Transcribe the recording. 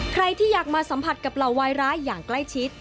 ใครที่อยากมาสัมผัสกับเหล่าวายร้ายอย่างใกล้ชิด